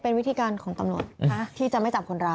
เอาเถอะ